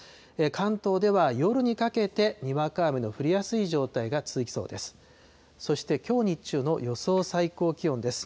関東では夜にかけて、にわか雨の降りやすい状態が続きそうです。